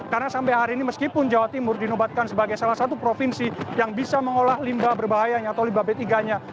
karena sampai hari ini meskipun jawa timur dinobatkan sebagai salah satu provinsi yang bisa mengolah limbah berbahayanya atau limbah b tiga nya